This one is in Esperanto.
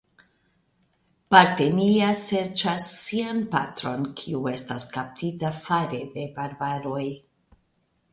Partenia serĉas sian patron kiu estas kaptita fare de barbaroj.